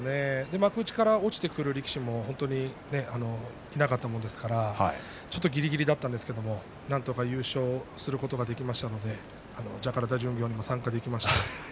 幕内が落ちてくる力士もいなかったものですからちょっとぎりぎりだったんですけれども、なんとか優勝をすることができましたのでジャカルタ巡業も参加できました。